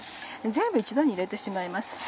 全部一度に入れてしまいます。